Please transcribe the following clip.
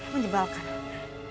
pantes aja kak fanny